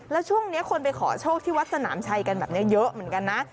แล้วช่วงนี้คนไปขอโชคที่วัดสนามชัยกันแบบนี้เยอะเหมือนกันนะ